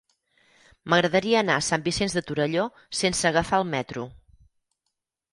M'agradaria anar a Sant Vicenç de Torelló sense agafar el metro.